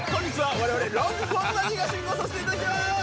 我々、ロングコートダディが進行させていただきます。